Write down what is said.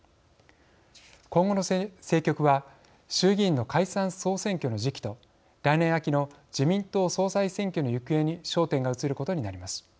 今後の政局は衆議院の解散・総選挙の時期と来年秋の自民党総裁選挙の行方に焦点が移ることになります。